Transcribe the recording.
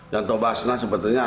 yanto basna sebetulnya